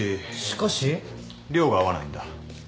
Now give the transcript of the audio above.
しかし？量が合わないんだ。